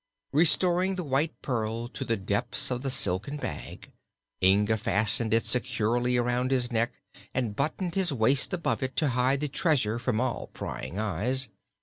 Restoring the White Pearl to the depths of the silken bag, Inga fastened it securely around his neck and buttoned his waist above it to hide the treasure from all prying eyes.